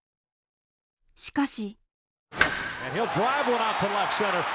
しかし。